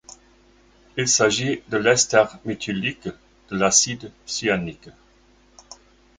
Il s'agit de l'ester méthylique de l'acide cyanique.